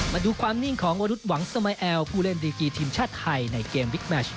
มาดูความนิ่งของวรุษหวังสมายแอลผู้เล่นดีกีทีมชาติไทยในเกมบิ๊กแมช